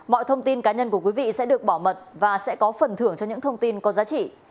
mọi thông tin cá nhân của quý vị sẽ được bảo mật và sẽ có phần thưởng cho những thông tin có giá trị